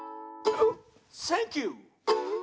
「センキュー！」